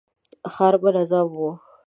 ښار منظم و.